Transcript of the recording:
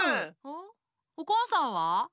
んおこんさんは？